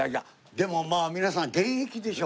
でもまあ皆さん現役でしょ？